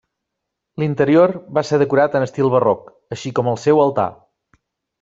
L'interior va ser decorat en estil barroc, així com el seu altar.